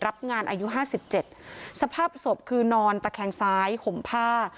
รับงานอายุห้าสิบเจ็ดสภาพศพคือนอนตะแคงซ้ายห่มผ้า